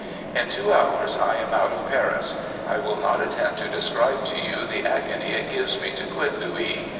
' In two hours I am out of Paris. I will not attempt to describe to you the agony it gives me to quit Louis.